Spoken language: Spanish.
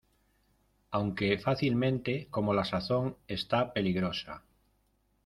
aunque fácilmente, como la sazón está peligrosa...